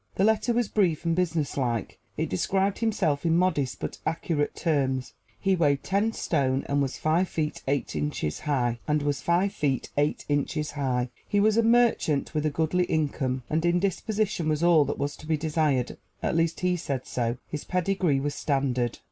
The letter was brief and businesslike. It described himself in modest but accurate terms. He weighed ten stone and was five feet eight inches high; he was a merchant with a goodly income; and in disposition was all that was to be desired at least he said so. His pedigree was standard.